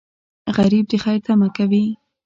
غریب د خیر تمه کوي